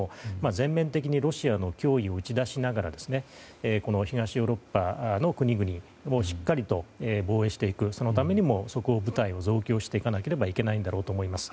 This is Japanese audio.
全面的にロシアの脅威を打ち出しながら東ヨーロッパの国々をしっかりと防衛していくそのために即応部隊を増強していかなければいけないんだろうと思います。